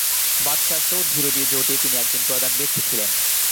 বাদশাহ সৌদ বিরোধী জোটে তিনি একজন প্রধান ব্যক্তি ছিলেন।